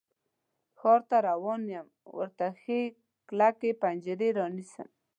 ښار ته روان یم، ورته ښې کلکې پنجرې رانیسم